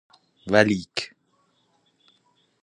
ولیک